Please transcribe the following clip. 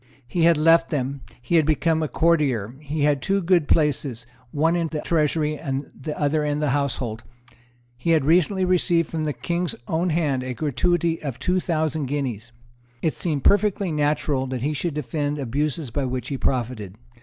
He had left them; he had become a courtier; he had two good places, one in the Treasury, the other in the household. He had recently received from the King's own hand a gratuity of two thousand guineas. It seemed perfectly natural that he should defend abuses by which he profited.